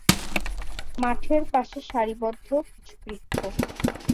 মাঠের পাশে সারি বদ্ধ কিছু বৃক্ষ।